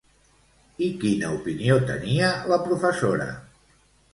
I quina opinió tenia la professora?